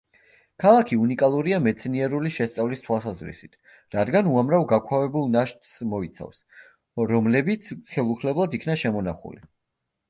ქალაქი უნიკალურია მეცნიერული შესწავლის თვალსაზრისით, რადგან უამრავ გაქვავებულ ნაშთს მოიცავს, რომლებიც ხელუხლებლად იქნა შემონახული.